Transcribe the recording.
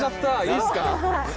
いいっすか？